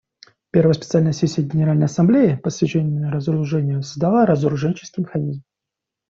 Первая специальная сессия Генеральной Ассамблеи, посвященная разоружению, создала разоруженческий механизм.